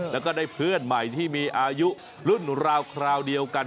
แล้วก็ได้เพื่อนใหม่ที่มีอายุรุ่นราวคราวเดียวกัน